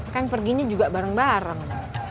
kan pergi ini juga bareng bareng